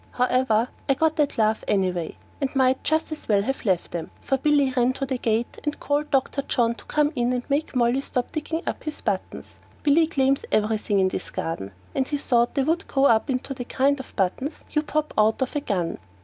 However, I got that laugh anyway, and I might just as well have left them, for Billy ran to the gate and called Dr. John to come in and make Molly stop digging up his buttons. Billy claims everything in this garden, and he thought they would grow up into the kind of buttons you pop out of a gun.